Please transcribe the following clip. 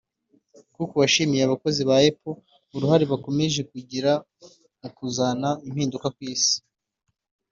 Cook washimiye abakozi ba Apple uruhare bakomeje kugira mu kuzana impinduka ku isi